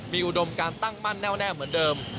มีอุดมการตั้งมั่นแน่วแน่เหมือนเดิม